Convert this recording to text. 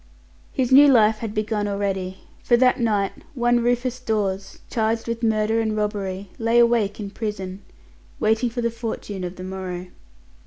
His new life had begun already: for that night one, Rufus Dawes, charged with murder and robbery, lay awake in prison, waiting for the fortune of the morrow.